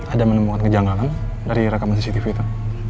ada menemukan kejanggalan dari rekaman cctv itu